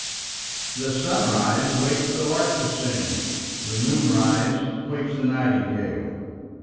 The sunrise wakes the lark to sing, The moonrise wakes the nightingale.